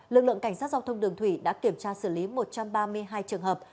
lực lượng cảnh sát giao thông đường thủy đã kiểm tra xử lý một trăm ba mươi hai trường hợp